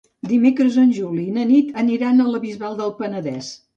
Dimecres en Juli i na Nit aniran a la Bisbal del Penedès.